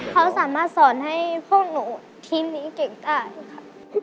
เขาสามารถสอนให้พวกหนูทีมนี้เก่งได้ค่ะ